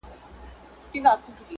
هغوی د پېښي انځورونه اخلي,